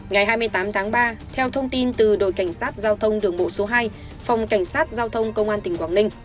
ngày hai mươi tám tháng ba theo thông tin từ đội cảnh sát giao thông đường bộ số hai phòng cảnh sát giao thông công an tỉnh quảng ninh